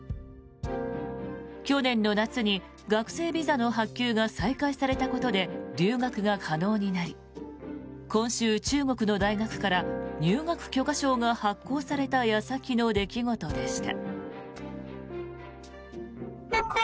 去年の夏に学生ビザの発給が再開されたことで留学が可能になり今週、中国の大学から入学許可証が発行された矢先の出来事でした。